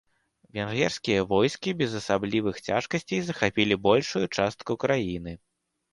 Венгерскія войскі без асаблівых цяжкасцей захапілі большую частку краіны.